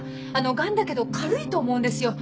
ガンだけど軽いと思うんですよ。